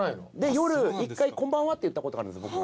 夜一回「こんばんは」って言ったことがあるんです僕が。